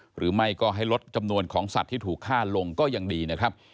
หรือไม่ก็ให้ลดจำนวนของสัตว์ที่ถูกฆ่าลงก็ยังดีนะครับ